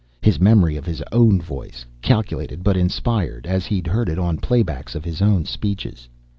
His memory of his own voice, calculated but inspired, as he'd heard it on play backs of his own speeches.